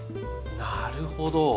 なるほど。